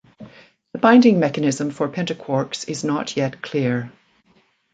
The binding mechanism for pentaquarks is not yet clear.